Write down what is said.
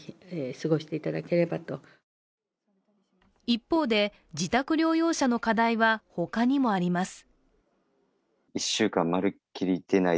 一方で自宅療養者の課題は他にもあります。